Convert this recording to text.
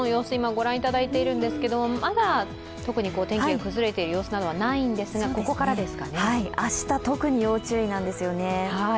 ご覧いただいているんですけどまだ特に天気が崩れている様子はないんですが、明日、特に要注意なんですよね。